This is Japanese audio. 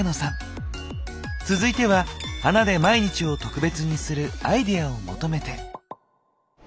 続いては「花で毎日を特別にするアイデア」を求めて。